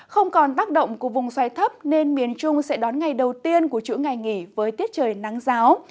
không còn tác động của vùng xoáy thấp nên miền trung sẽ đón ngày đầu tiên của chữ ngày nghỉ với tiết trời nắng ráo